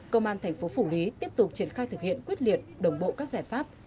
công an thành phố phủ lý tiếp tục triển khai thực hiện quyết liệt đồng bộ các giải pháp